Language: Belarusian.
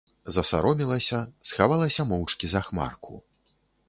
Засаромелася, схавалася моўчкі за хмарку.